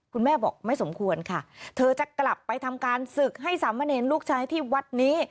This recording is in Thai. คุณแม่บอกไม่สมควรค่ะเธอจะกลับไปทำการศึกให้สามเณรลูกชายที่วัดนี้